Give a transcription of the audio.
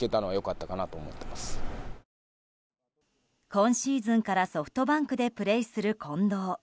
今シーズンからソフトバンクでプレーする近藤。